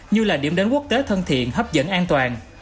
như là điểm đến quốc tế thân thiện hấp dẫn an toàn